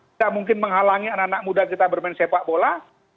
tidak mungkin menghalangi anak anak muda kita bermain sepak bola